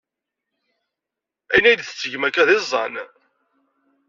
Ayen ay d-tettgem akk d iẓẓan.